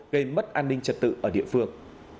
gây mất an ninh trật tự ở địa phương